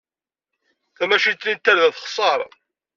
Tamacint-nni n tarda texṣer.